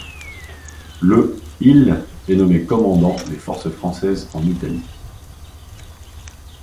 Le il est nommé commandant des Forces Françaises en Italie.